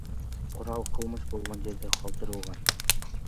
Курал кылмыш болгон жерде калтырылган.